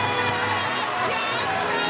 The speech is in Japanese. やったー！